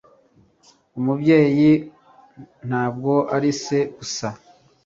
umubyeyi ntabwo ari se gusa